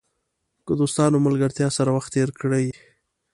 که دوستانو او ملګرو سره وخت تېر کړئ.